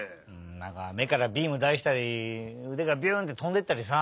なんかめからビームだしたりうでがビュンってとんでいったりさ。